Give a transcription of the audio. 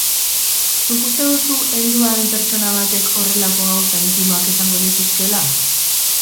Zuk uste duzu heldua den pertsona batek horrelako gauza intimoak esango lituzkeela?